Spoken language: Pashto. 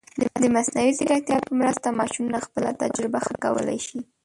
د مصنوعي ځیرکتیا په مرسته، ماشینونه خپله تجربه ښه کولی شي.